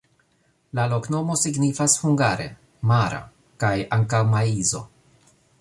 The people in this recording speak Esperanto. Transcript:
La loknomo signifas hungare: mara kaj ankaŭ maizo.